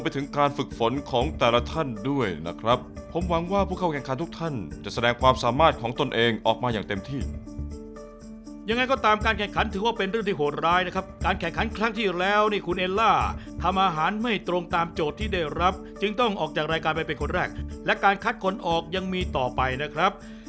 สามโจทย์ที่ได้รับจึงต้องออกจากรายการไปเป็นคนแรกและการคัดคนออกยังมีต่อไปนะครับ